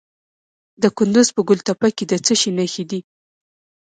د کندز په ګل تپه کې د څه شي نښې دي؟